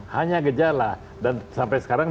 hanya gejala dan sampai sekarang